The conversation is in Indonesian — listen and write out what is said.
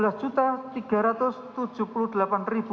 anak korban lima